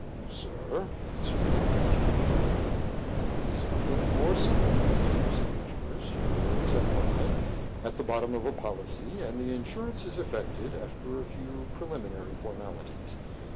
"Sir," answered William J. Bidulph, "there is nothing more simple. Two signatures — yours and mine — at the bottom of a policy, and the insurance is effected after a few preliminary for malities.